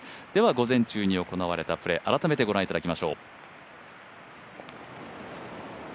午前中に行われたプレー改めてご覧いただきましょう。